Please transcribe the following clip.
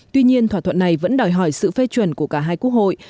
tuy nhiên thỏa thuận này vẫn đòi hỏi sự phê chuẩn của cả hai quốc hội